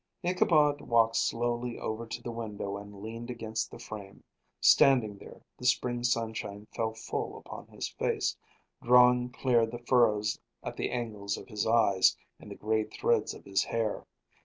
Ichabod walked slowly over to the window and leaned against the frame. Standing there, the spring sunshine fell full upon his face, drawing clear the furrows at the angles of his eyes and the gray threads of his hair.